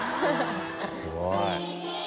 すごい。）